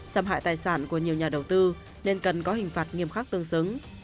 xâm hại tài sản của nhiều nhà đầu tư nên cần có hình phạt nghiêm khắc tương xứng